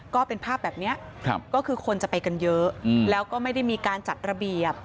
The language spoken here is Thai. ก็เป็นภาพแบบนี้ก็คือคนจะไปกันเยอะแล้วก็ไม่ได้มีการจัดระเบียบ